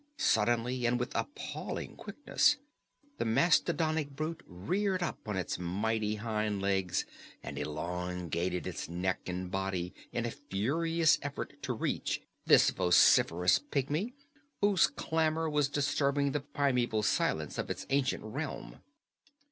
Suddenly and with appalling quickness, the mastodonic brute reared up on its mighty hind legs and elongated its neck and body in a furious effort to reach this vociferous pigmy whose clamor was disturbing the primeval silence of its ancient realm.